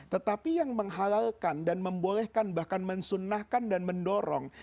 tetapi yang menghalalkan dan membolehkan bahkan mensunnahkan dan mendorong